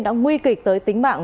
đã nguy kịch tới tính mạng